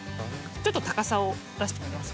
ちょっと高さを出してみますか？